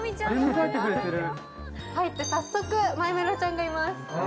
入って早速、マイメロちゃんがいます。